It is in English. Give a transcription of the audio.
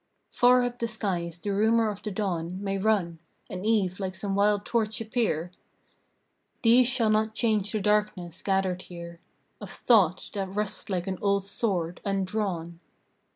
Far up the skies the rumor of the dawn May run, and eve like some wild torch appear; These shall not change the darkness, gathered here, Of thought, that rusts like an old sword undrawn.